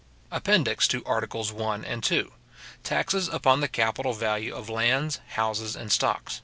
APPENDIX TO ARTICLES I. AND II.—Taxes upon the Capital Value of Lands, Houses, and Stock.